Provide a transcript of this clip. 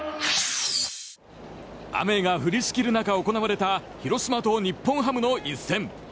雨が降りしきる中行われた広島と日本ハムの一戦。